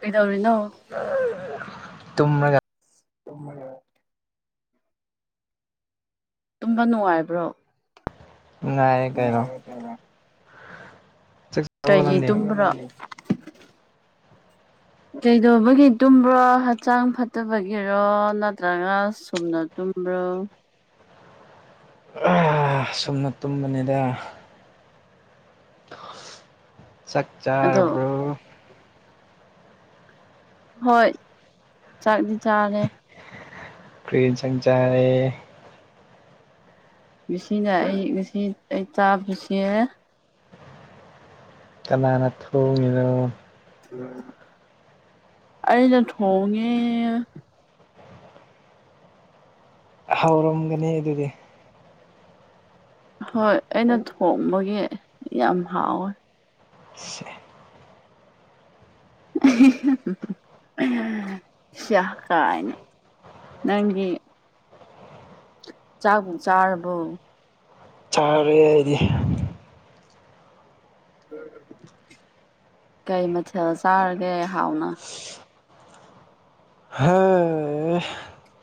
ꯀꯩꯗꯧꯔꯤꯅꯣ ꯇꯅꯒ ꯑꯗꯨ ꯃꯅꯦ ꯇꯨꯝꯕ ꯅꯨꯡꯉꯥꯏꯕ꯭ꯔꯣ ꯉꯑ ꯀꯩꯅꯣ ꯆꯥꯛ ꯆꯥꯔꯕꯣ ꯀꯩꯒꯤ ꯅꯪꯗꯤ ꯇꯨꯝꯕ꯭ꯔꯣ [inaudible] ꯀꯩꯗꯧꯕꯒꯤ ꯇꯨꯝꯕ꯭ꯔꯣ ꯍꯛꯆꯥꯡ ꯐꯠꯇꯕꯒꯤꯔꯣ ꯅꯠꯇ꯭ꯔꯒ ꯁꯨꯝꯅꯨꯝꯕ ꯍ꯭ꯔꯣ ꯁꯨꯝꯅ ꯇꯨꯝꯕꯅꯤꯗ ꯆꯥꯛ ꯑꯗꯣ ꯆꯥꯔꯕ꯭ꯔꯣ ꯍꯣꯏ ꯆꯥꯛꯗꯤ ꯆꯥꯔꯦ ꯀ꯭ꯔꯔꯤꯦꯟ ꯆꯪ ꯆꯔꯦ ꯉꯁꯤꯅ ꯑꯩ ꯉꯁꯤ ꯑꯩ ꯆꯥꯕꯁꯦ ꯀꯅꯥꯅ ꯊꯣꯡꯉꯤꯅꯣ ꯑ ꯅ ꯊ ꯍꯣꯡꯒꯦ ꯍꯧꯥꯎꯔꯝꯒꯅꯤ ꯑꯗꯨꯗꯤ ꯍꯣꯏ ꯑꯩꯅ ꯊꯣꯡꯕꯒꯤ ꯌꯥꯝ ꯍꯥꯎꯋꯦ [unintelligible] ꯁꯍ ꯀꯥꯏꯅ ꯅꯪꯒꯤ ꯆꯥ ꯆꯥꯔꯕꯣ ꯀ ꯍꯥꯏꯗꯤ ꯀꯩ ꯃꯊꯦꯜ ꯆꯥꯔꯒꯦ ꯍꯥꯎꯅ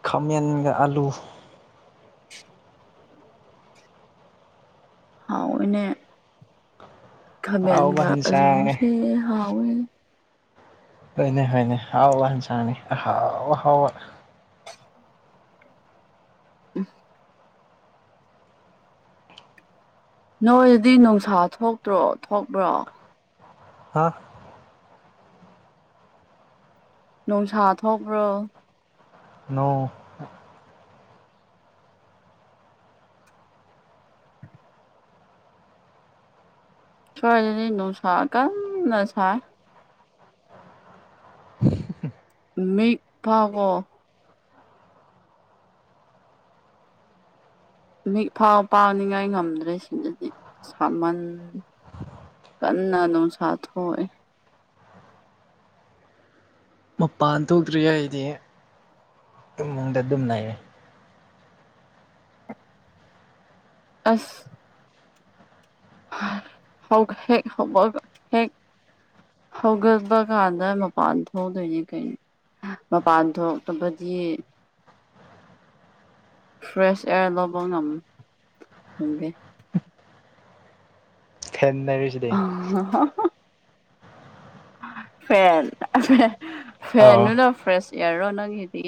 ꯈꯥꯃꯦꯟꯒ ꯑꯥꯂꯨ ꯍꯥꯎꯅꯦ ꯑꯍꯥꯎꯕ ꯈꯥꯃꯦꯟꯒ ꯍꯤꯟꯁꯥꯡꯅꯦ ꯑꯂꯨꯁꯦ ꯍꯥꯎꯋꯦ ꯍꯣꯏꯅꯦ ꯍꯣꯏꯅꯦ ꯍꯥꯎ ꯏꯟꯁꯅꯤ ꯍꯥꯎ ꯍꯥꯎ ꯎ ꯅꯣꯏꯗꯤ ꯅꯨꯡꯁꯥ ꯊꯣꯛꯇ꯭ꯔꯣ ꯊꯣꯛꯕ꯭ꯔꯣ ꯍꯥ ꯅꯨꯡꯁꯥ ꯊꯣꯛꯄ꯭ꯔꯣ ꯅꯣꯡ ꯁꯣꯏꯗꯅꯤ ꯅꯨꯡꯁꯥ ꯀꯟꯅ ꯁꯥꯏ ꯃꯤ ꯐꯒꯣ ꯃꯤꯐꯥꯎ ꯄꯥꯎꯅꯤꯡꯉꯥꯏ ꯉꯝꯗ꯭ꯔꯦꯁꯤꯡꯗꯗꯤ ꯁꯥꯃꯟ ꯀꯟꯅꯥ ꯅꯣ ꯁꯥꯊ ꯑꯣꯏꯣꯏ ꯃꯄꯥꯟ ꯊꯣꯛꯇ꯭ꯔꯤꯉꯗꯤ ꯏꯃꯨꯡꯗ ꯑꯗꯨꯝ ꯂꯩꯔꯦ ꯑꯁ ꯍꯒ ꯍꯦ ꯍꯒ ꯍꯦ ꯍꯧꯥꯎꯒꯜꯗ ꯀꯥꯟꯗ ꯃꯄꯥꯟ ꯊꯣꯛꯗꯌꯦ ꯀꯩ ꯃꯥ ꯄꯥꯊꯣꯛ ꯇꯗꯤ ꯐ꯭ꯔꯦꯁ ꯑꯦꯌꯥꯔ ꯂꯧꯕ ꯉ ꯈꯪꯗꯦ ꯈꯦꯠꯅꯔꯤꯁꯤꯗꯤ ꯐꯦꯟ ꯑꯣ ꯐꯦꯟꯗꯨꯅ ꯐ꯭ꯔꯦꯁ ꯏꯌꯥꯔꯔꯣ ꯅꯪꯒꯤꯗꯤ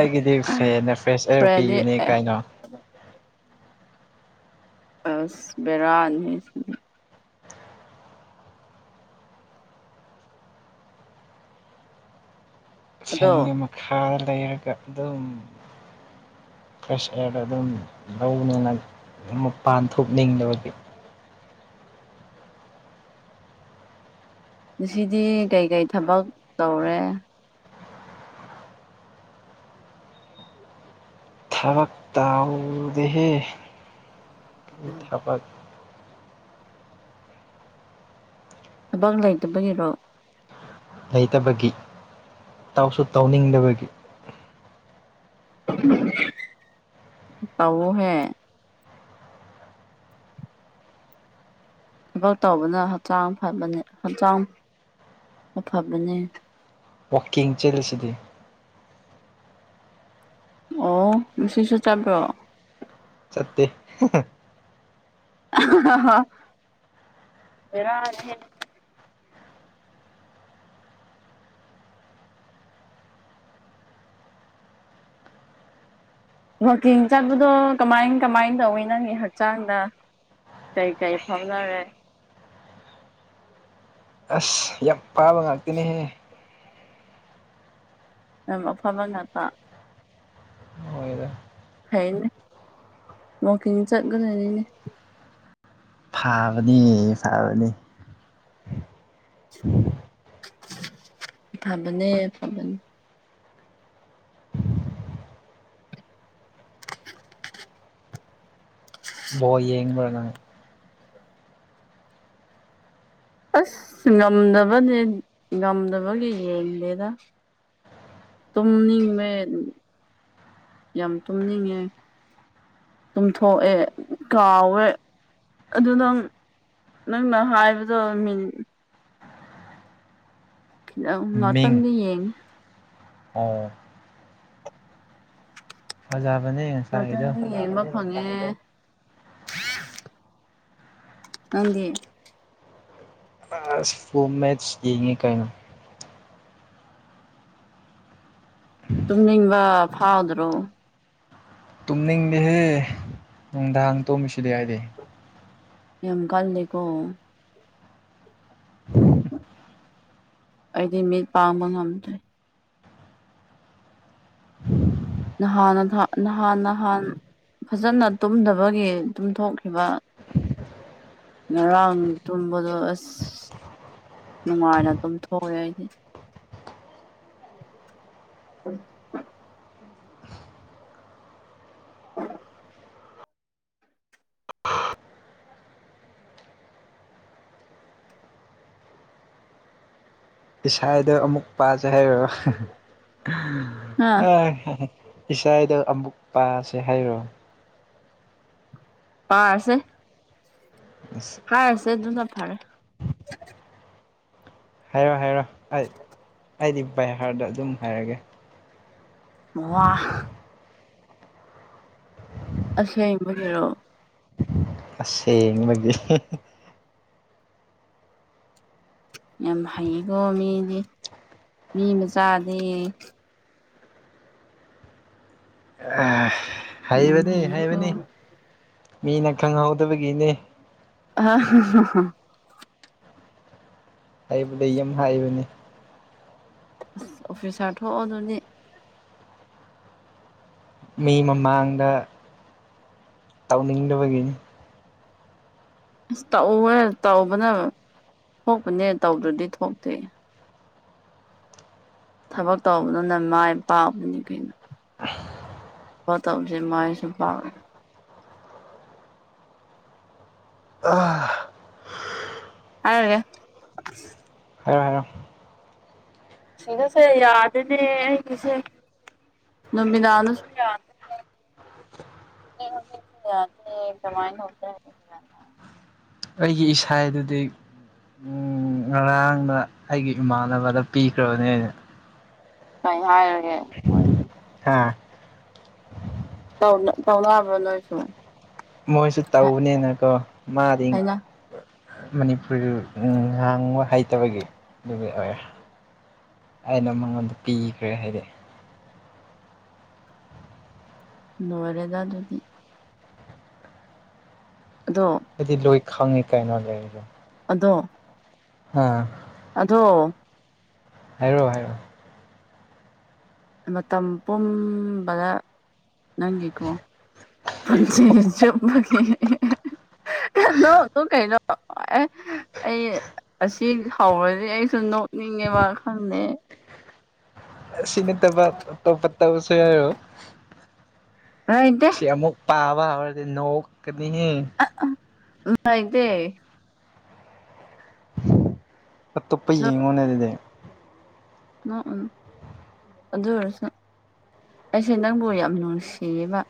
ꯑꯩꯒꯤꯗꯤ ꯐꯦꯟꯅ ꯐ꯭ꯔꯦꯁ ꯑꯦꯌꯔ ꯐ꯭ꯔꯦꯟꯗꯤ ꯄꯤꯕꯅꯦ ꯑꯦ ꯀꯥꯏꯅꯣ ꯑꯁ ꯕꯔꯥꯜ ꯑꯗꯣ ꯁꯦꯟꯒꯤ ꯃꯈꯥꯗ ꯂꯩꯔꯒ ꯑꯗꯨꯝ ꯐ꯭ꯔꯦꯁ ꯑꯦꯌꯥꯔꯗ ꯑꯗꯨꯝ ꯂꯧꯅꯦꯅ ꯑꯗꯨꯝ ꯃꯄꯥꯟ ꯊꯣꯛꯅꯤꯡꯗꯕꯒꯤ ꯁꯤꯗꯤ ꯀꯩꯀꯩ ꯊꯕꯛ ꯇꯧꯔꯦ ꯊꯕꯛ ꯇꯧꯗꯦꯍꯦ ꯊꯕꯛ ꯑꯕꯥꯛ ꯂꯩ ꯂꯩꯇꯕꯒꯤꯔꯣ ꯂꯩꯇꯕꯒꯤ ꯇꯧꯁꯨ ꯇꯧꯅꯤꯡꯗꯕꯒꯤ ꯇ ꯍꯦ ꯊꯕꯛ ꯇꯧꯕꯅ ꯍꯛꯆꯥꯡ ꯐꯕꯅꯤ ꯍꯛꯆꯥꯡ ꯑꯐꯕꯅꯤ ꯋꯥꯛꯀꯤꯡ ꯆꯦꯜꯂꯤꯁꯤꯗꯤ ꯑꯣ ꯁꯤꯁꯨ ꯆꯠꯕ꯭ꯔꯣ ꯆꯠꯇꯦ ꯑ ꯍ ꯋꯥꯛꯀꯤꯡ ꯆꯠꯄꯗꯣ ꯀꯃꯥꯏ ꯀꯃꯥꯏꯅ ꯇꯧꯋꯤ ꯅꯪꯅꯤ ꯍꯛꯆꯥꯡꯗ ꯀꯩꯀꯩ ꯐꯥꯎꯅꯔꯦ ꯑꯁ ꯌꯥꯝ ꯄꯥꯕ ꯉꯥꯛꯇꯅꯦꯍꯦ ꯑꯗꯨꯝ ꯑꯐꯕ ꯉꯥꯛꯄ ꯃꯣꯏꯗꯣ ꯐꯅꯦ ꯃ ꯀ ꯆꯠꯒꯅꯤꯅꯦ ꯐꯥꯕꯅꯤ ꯐꯥꯕꯅꯤ ꯐꯕꯅꯦ ꯄꯕꯅꯤ ꯕꯣ ꯌꯦꯡꯉꯕ ꯉꯣ ꯑꯁ ꯉꯝꯗꯕꯅꯦ ꯉꯝꯗꯕꯒꯤ ꯌꯦꯡꯗꯦꯗ ꯇꯨꯝꯅꯤꯡꯃꯦ ꯌꯥꯝ ꯇꯨꯝꯅꯤꯡꯉꯦ ꯆꯨꯝꯊꯣꯛꯑꯦ ꯀꯥꯎꯋꯦ ꯑꯗꯨ ꯅꯪ ꯅꯪꯅ ꯍꯥꯏꯕꯗꯣ ꯃꯤ ꯈꯤꯇꯪ ꯃꯤꯡ ꯃꯇꯝꯗꯤ ꯌꯦꯡꯉꯤ ꯑꯣ ꯐꯖꯕꯅꯦ ꯅꯠꯇ ꯉꯁꯥꯏꯒꯤꯗꯣ ꯌꯦꯡꯕ ꯐꯉꯦ ꯀꯗꯤ ꯑ ꯐꯣꯝ ꯃꯦꯠꯁ ꯌꯦꯡꯉꯤ ꯀꯥꯏꯅꯣ ꯇꯨꯝꯅꯤꯡꯕ ꯐꯥꯎꯗ꯭ꯔꯣ ꯇꯨꯝꯅꯤꯡꯗꯦꯍꯦ ꯅꯨꯡꯗꯥꯡ ꯇꯣꯝꯃꯤꯁꯤꯗꯤ ꯍꯥꯏꯗꯤ ꯌꯥꯝ ꯀꯜꯜꯂꯤꯀ ꯑꯩꯗꯤ ꯃꯤꯠ ꯄꯥꯡꯕ ꯉꯝꯗ꯭ꯔꯦ ꯅꯍꯥꯟ ꯅꯍꯥꯟ ꯅꯍꯥꯟ ꯐꯖꯅ ꯇꯨꯝꯗꯕꯒꯤ ꯇꯨꯝꯊꯣꯛꯈꯤꯕ ꯉꯔꯥꯡ ꯇꯨꯝꯝꯕꯗꯨ ꯑꯁ ꯅꯨꯡꯉꯥꯏꯅ ꯑꯗꯨꯝ ꯊꯣꯛꯑꯦ ꯑꯩꯗꯤ ꯎ ꯏꯁꯥꯗꯣ ꯑꯃꯨꯛ ꯄꯥꯖꯩ ꯍꯥꯏꯔꯣ ꯑ ꯏꯁꯥꯥꯏꯗ ꯑꯃꯨꯛ ꯄꯥꯁꯦ ꯍꯥꯏꯔꯣ ꯄꯥꯔꯁꯦ ꯑꯁ ꯍꯥꯥ ꯁꯦꯗꯨ ꯅ ꯐꯥꯔꯦ ꯍꯥꯏꯔꯣ ꯍꯥꯏꯔꯣ ꯑꯩ ꯑꯩꯗꯤ ꯕꯩꯍꯥꯔꯗ ꯑꯗꯨꯝ ꯍꯥꯏꯔꯒꯦ ꯃ ꯑꯁ ꯃꯦꯔꯣ ꯑꯁꯦꯡꯒ ꯌꯥꯝ ꯍꯩꯀꯣ ꯃꯤꯗꯤ ꯃꯤ ꯃꯆꯥꯗꯤꯦ ꯌꯥꯝ ꯍꯩꯕꯅꯦ ꯍꯩꯌꯦꯀꯣ ꯍꯩꯕꯅꯤ ꯃꯤꯅ ꯈꯪꯍꯧꯗꯕꯒꯤꯅꯦ ꯑ ꯍꯥꯏꯕꯗꯤ ꯌꯥꯝ ꯍꯥꯏꯕꯅꯦ ꯑꯁ ꯑꯣꯐꯤꯁ ꯍꯥ ꯊꯣꯛꯣꯛꯑꯣ ꯑꯗꯨꯅꯦ ꯃꯤ ꯃꯃꯥꯡꯗ ꯇꯧꯅꯤꯡꯗꯕꯒꯤꯅꯤ ꯑꯁ ꯇꯧꯎꯋꯦ ꯇꯧꯕꯅ ꯊꯣꯛꯄꯅꯦ ꯇꯧꯗ꯭ꯔꯗꯤ ꯊꯣꯛꯇꯦ ꯊꯕꯛ ꯇꯧꯕꯗꯨꯅ ꯃꯥꯏ ꯄꯥꯛꯕꯅꯤ ꯀꯩꯅꯣ ꯍꯠꯇ ꯍꯧꯁꯤꯦ ꯃꯥꯥꯏꯁꯨ ꯄ ꯑ ꯍꯥꯏꯒꯦ ꯍꯥꯏꯔꯣ ꯍꯥꯏꯔꯣ ꯁꯤꯗꯁꯦ ꯌꯥꯗꯦꯅꯦ ꯑꯩꯒꯤꯁꯦ ꯅꯨꯃꯤꯗꯥꯅ ꯌꯥ ꯀꯃꯥꯏꯅ ꯑꯩꯒꯤ ꯏꯁꯥ ꯑꯗꯨꯗꯤ ꯎꯝ ꯉꯔꯥꯡꯗ ꯑꯩꯒꯤ ꯏꯃꯥꯟꯅꯕꯗ ꯄꯤꯈ꯭ꯔꯕꯅꯦ ꯑꯩꯅ ꯀ ꯍꯥꯏꯔꯒꯦ ꯍꯥꯥ ꯇꯧ ꯇꯧꯅꯕ ꯂꯁꯨ ꯃꯣꯏꯁꯨ ꯇꯧꯅꯦꯅꯀꯣ ꯃꯥꯗꯤ ꯍꯥꯏꯅ ꯃꯅꯤꯄꯨꯔ ꯉꯥꯡꯕ ꯍꯩꯇꯕꯒꯤ ꯅꯨꯃꯤꯠ ꯑꯣꯏ ꯑꯩꯅ ꯃꯉꯣꯟꯗ ꯄꯤꯈ꯭ꯔꯦ ꯍꯥꯏꯗꯤ ꯅꯔꯦꯗ ꯑꯗꯨꯗꯤ ꯑꯗꯣ ꯍꯥꯏꯗꯤ ꯂꯣꯏ ꯈꯪꯉꯤ ꯀꯥꯏꯅꯣ ꯂꯩꯔꯁꯦ ꯗꯣ ꯑꯥ ꯑꯗꯣ ꯍꯥꯏꯔꯛꯑꯣ ꯍꯥꯏꯔꯣꯑꯣ ꯃꯇꯝ ꯄꯨꯝꯕꯗ ꯅꯪꯒꯤꯀꯣ ꯐꯆꯦ ꯆꯃꯒꯤ ꯅꯣ ꯅ ꯀꯩꯅꯣ ꯑꯦ ꯑꯩ ꯑꯁꯤ ꯍꯧꯔꯗꯤ ꯑꯩꯁꯨ ꯅꯣꯛꯅꯤꯡꯉꯦꯕ ꯈꯪꯗꯦ ꯆꯅꯦ ꯇ ꯄ ꯇꯞ ꯄ ꯇꯕꯨꯁꯦꯔ ꯂꯩꯇꯦ ꯁꯤꯃꯨꯛ ꯄꯥꯕꯔꯗꯤ ꯅꯣꯛꯅꯤ ꯉ ꯑꯥꯏꯗꯤ ꯑꯇꯣꯞꯄ ꯌꯦꯡꯉꯣꯅꯦ ꯑꯗꯨꯗꯤ ꯎ ꯎ ꯑꯗꯨ ꯑꯣꯏꯁꯨ ꯑꯩꯁꯦ ꯅꯪꯕꯨ ꯌꯥꯝ ꯅꯨꯡꯁꯤꯌꯦꯕ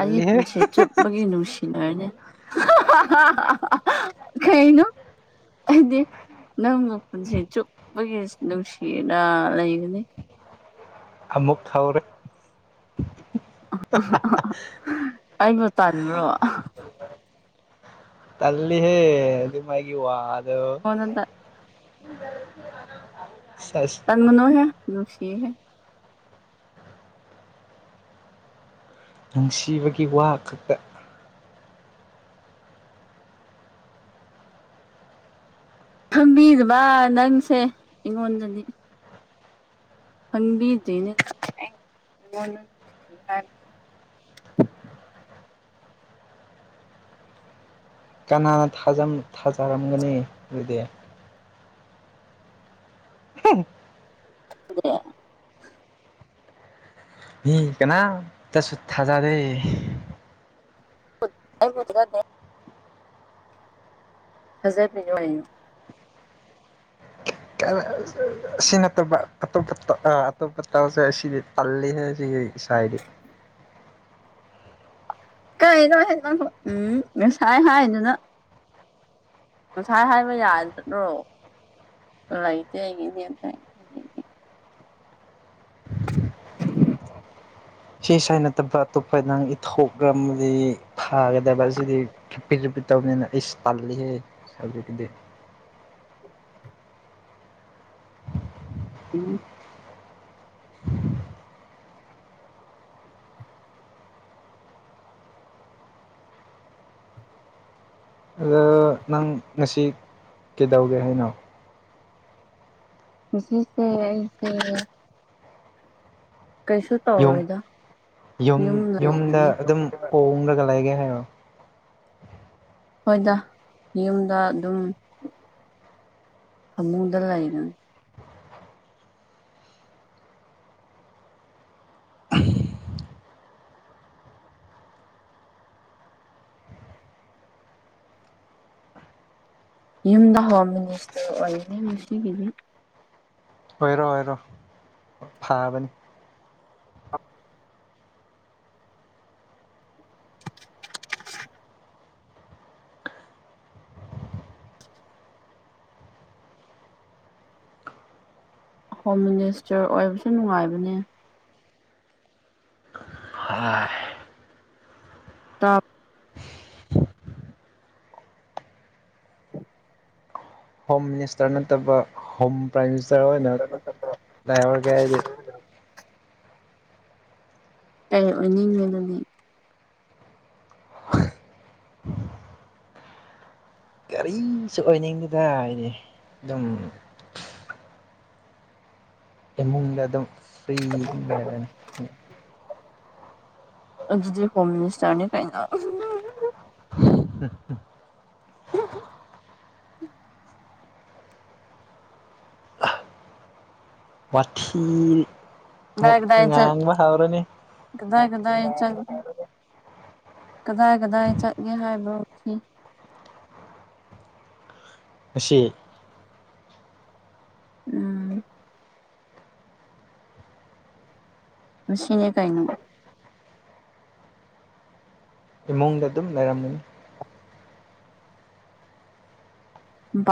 ꯑꯩꯒꯤ ꯄꯨꯟꯁꯤ ꯆꯨꯞꯄꯒꯤ ꯅꯨꯡꯁꯤꯅꯔꯅꯦ ꯀꯥꯏꯅꯣ ꯑꯗ ꯅꯪ ꯃ ꯄꯨꯟꯁꯤ ꯆꯨꯞꯄꯒꯤ ꯅꯨꯡꯁꯤꯅ ꯂꯩꯒꯅꯤ ꯑꯃꯨꯛ ꯊꯥꯎꯔꯦ ꯑꯩꯕꯨ ꯇꯥꯟꯕ꯭ꯔꯣ ꯇꯂ ꯍꯦ ꯂꯤ ꯃꯥꯒꯤ ꯋꯥ ꯍꯅꯗ ꯁꯦꯁ ꯇꯟ ꯃꯅꯣꯍꯦ ꯑꯗꯨꯅꯨꯡꯁꯤ ꯍꯥꯏꯦ ꯅꯨꯡꯁꯤꯕꯒꯤ ꯋꯥ ꯈꯛꯇ ꯈꯝꯕꯤꯗꯨꯕ ꯅꯪꯁꯦ ꯑꯩꯉꯣꯟꯗꯅꯤ ꯈꯪꯕꯤꯗꯅ [unintelligible] ꯀꯅꯥꯅ ꯊꯥꯖꯔꯝꯒꯅꯤ ꯑꯗꯨꯗꯤ [unintelligible] ꯃꯤ ꯀꯅꯥ ꯇꯁꯨ ꯊꯖꯗꯦ ꯑꯩ ꯄꯨꯠꯇꯅꯦ ꯊꯖꯠꯃꯤꯅꯣ ꯑ ꯁꯤ ꯅꯇꯣꯞꯄ ꯑꯇꯣꯞꯄ ꯑ ꯑꯇꯣꯞꯄ ꯇꯁꯦ ꯁꯤꯗꯤ ꯇꯜꯂꯤꯍꯦ ꯁꯤꯒꯤ ꯏꯁꯥꯏꯗꯤ ꯀꯩꯅꯣ ꯎꯝ ꯉꯁꯥꯏ ꯍꯥꯏꯗꯨꯅ ꯉꯁꯥꯏ ꯍꯥꯏꯕ ꯌꯥꯗ꯭ꯔꯣ ꯥꯏꯗ ꯍꯥꯏꯒꯗꯤ ꯑ [unintelligible] ꯁꯤ ꯁꯥꯏ ꯅꯠꯇꯕ ꯑꯇꯣꯞꯄ ꯅꯪꯥꯡ ꯏꯊꯣꯛꯒ ꯑꯃꯗꯤ ꯊꯥꯒꯗꯕ ꯑꯁꯤꯗꯤ ꯔꯔꯤꯄꯤꯠꯨꯄꯤꯠ ꯇꯧ ꯅ ꯇꯥꯜꯂꯤ ꯍꯦ ꯁ ꯀꯗꯤ ꯎ ꯑꯗꯣ ꯅꯪ ꯉꯁꯤ ꯀꯩꯗꯧꯒꯦ ꯍꯥꯏꯅꯣ ꯖꯤꯁꯦꯁꯦ ꯌꯨꯝ ꯇꯧꯔꯣꯏꯗ ꯌꯨꯝ ꯌꯨꯝꯗ ꯑꯗꯨꯝ ꯍꯣꯡꯈ꯭ꯔꯒ ꯂꯩꯒꯦ ꯍꯥꯏꯔꯣ ꯍꯣꯏꯗ ꯌꯨꯝꯗ ꯑꯗꯨꯝ ꯐꯃꯨꯗ ꯂꯥꯏꯅ ꯌꯨꯝꯗ ꯍꯋꯥ ꯃꯤꯅꯤꯁꯇ ꯑꯣꯏꯩ ꯃꯁꯤꯅꯨꯡꯁꯤꯒꯤꯗꯤ ꯑꯣꯏꯔꯣ ꯑꯣꯏꯔꯣ ꯐꯥꯕꯅꯤ ꯍꯣꯝ ꯃꯤꯅꯤꯁꯇꯔ ꯑꯣꯏꯕꯁꯨ ꯅꯨꯡꯉꯥꯏꯕꯅꯦ ꯇꯞ ꯍꯣꯝ ꯃꯤꯅꯤꯁꯇꯔ ꯅꯠꯇꯕ ꯍꯣꯝ ꯄ꯭ꯔꯥꯏꯝ ꯃꯤꯅꯤꯁꯇꯔ ꯑꯣꯏꯅ ꯂꯥꯏꯍꯧꯔꯒꯦ ꯍꯥꯏꯗꯤ ꯀ ꯑꯣꯏꯅꯤꯡꯉꯕꯅꯤ ꯁ ꯑꯣꯏꯅꯤꯡꯗꯨꯗ ꯍꯥꯏꯗꯤ ꯑꯗꯨꯝ ꯑꯗꯨꯝ ꯐ ꯑꯗꯨꯗꯤ ꯍꯣꯝ ꯃꯤꯅꯤꯁꯇꯔꯅꯦ ꯀꯥꯏꯩꯅ [inaudible] ꯄꯊꯤꯟ ꯗꯒꯗꯥꯏ ꯆꯠꯒꯗꯥꯏ ꯆꯠ ꯀꯗꯥꯏ ꯀꯗꯥꯏ ꯆꯠꯒꯦ ꯍꯥꯏꯕ ꯎꯁꯤ ꯑꯁꯤ ꯎꯝ ꯃꯁꯅꯦ ꯀꯥꯏꯉ ꯏꯃꯨꯡꯗ ꯑꯗꯨꯝ ꯂꯩꯔꯝꯃꯤ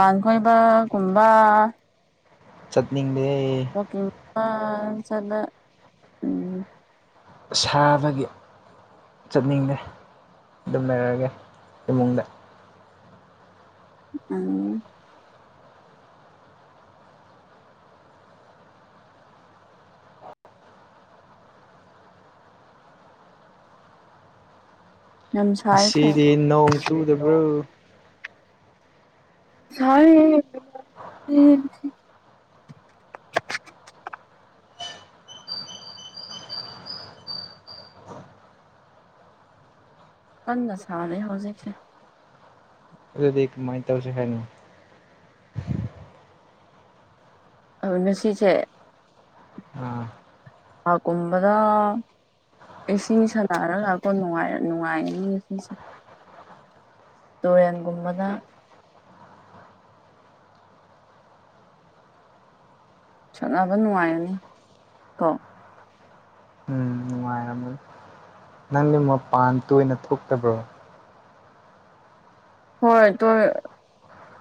ꯥꯡꯈꯣꯏꯕ ꯀꯨꯝꯕ ꯆꯠꯅꯤꯡ ꯑꯣ ꯆꯂ ꯎꯝ ꯁꯥꯕꯒꯤ ꯆꯠꯅꯤꯡꯉꯦ ꯑꯗꯨꯝ ꯂꯩꯔꯛꯑꯒꯦ ꯏꯃꯨꯡꯗ ꯎꯝ ꯌꯥꯝ ꯉ ꯁꯥꯏꯀꯣ ꯑꯁꯤꯗꯤ ꯅꯣꯡ ꯆꯨꯗꯕ꯭ꯔꯣ ꯁꯥꯔꯦ ꯀꯟꯅ ꯁꯥꯔꯦ ꯍꯧꯖꯤꯛꯁꯦ ꯑꯗꯨꯗꯤ ꯃꯥꯏ ꯇꯧꯁꯦ ꯍꯥꯏꯅꯤ ꯃꯁꯤꯁꯤꯁꯦ ꯑꯥ ꯑ ꯀꯨꯝꯕꯗꯥ ꯏꯁꯤꯡ ꯁ ꯂꯔꯒ ꯂꯥꯛꯀꯣꯥꯏ ꯅꯨꯡꯉꯥꯏꯅꯤ ꯏꯁꯤꯡꯁꯦ ꯇꯨꯔꯦꯟꯒꯨꯝꯕꯗ ꯁꯠꯅꯕ ꯅꯨꯡꯉꯥꯏꯔꯅꯤ ꯀꯣ ꯎꯝ ꯅꯨꯡꯉꯥꯏꯔꯝꯃꯅꯤ ꯅꯪꯗꯤ ꯃꯄꯥꯟ ꯇꯣꯏꯅ ꯊꯣꯛꯇꯕ꯭ꯔꯣ ꯍꯣꯏ ꯇꯣꯏ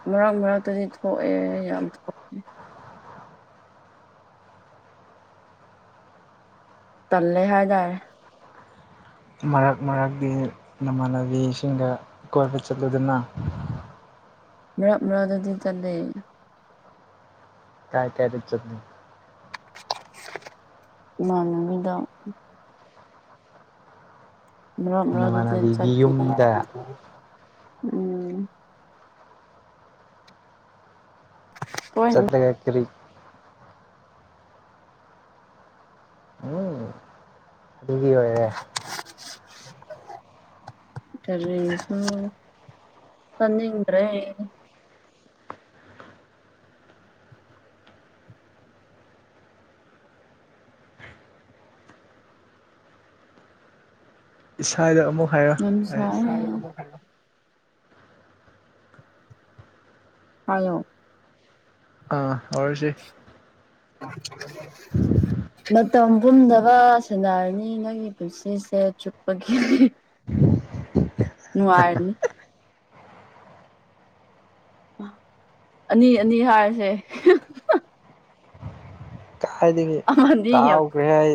ꯃꯔꯛ ꯃꯔꯛꯇꯗꯤ ꯊꯣꯛꯑꯦ ꯌꯥꯝ ꯊꯣꯛꯀꯦ ꯇꯜꯂꯦ ꯍꯥꯏꯗꯔꯦ ꯃꯔꯛ ꯃꯔꯛꯀꯤ ꯅꯃꯥꯟꯅꯕꯤꯁꯤꯡꯒ ꯀꯣꯏꯕ ꯆꯠꯂꯨꯗꯨꯅ ꯃꯔꯞ ꯃꯥ ꯑꯗꯨꯗꯤ ꯇꯗꯦ ꯀꯥꯏ ꯀꯌꯥꯗ ꯆꯠ ꯏꯃꯥꯟꯅꯕꯤꯗ ꯃ ꯑꯗꯨ ꯆ ꯅꯃꯥꯟꯅꯕꯤꯒꯤ ꯌꯨꯝꯗ ꯎꯝ ꯇꯣꯏꯅ ꯆꯠꯠꯇ ꯀ ꯀꯔꯤ ꯎꯝ ꯑꯗꯨꯒꯤ ꯑꯣꯏꯔꯦ [inaudible] ꯇꯔ ꯆꯖꯦꯡꯗ꯭ꯔꯦ ꯏꯁꯥꯗ ꯑꯃꯨꯛ ꯍꯥꯏꯔꯣ ꯌꯥꯝꯁꯥ ꯑꯩ ꯍꯥꯏꯣ ꯑꯔ ꯁꯤꯦ ꯑ ꯃꯇꯝ ꯄꯨꯝꯗꯕ ꯁꯥꯟꯅꯔꯅꯤ ꯅꯪꯒꯤ ꯄꯨꯟꯁꯤꯁꯦ ꯆꯨꯞꯄꯒꯤ ꯅꯨꯡꯉꯥꯏꯔꯅꯤ ꯑꯅꯤ ꯑꯅꯤ ꯍꯥꯏꯔꯁꯦ ꯀꯥꯏꯗꯒꯤꯉ ꯑꯃꯗꯤ ꯌꯥꯝ ꯀꯥꯎꯈ꯭ꯔꯦ ꯍꯥꯏ